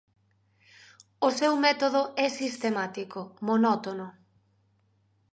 O seu método é sistemático, monótono.